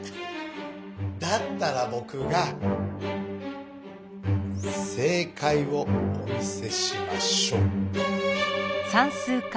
だったらぼくが正かいをお見せしましょう！